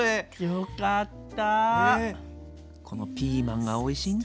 よかった。